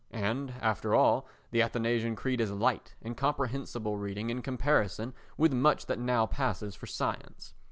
And, after all, the Athanasian Creed is light and comprehensible reading in comparison with much that now passes for science.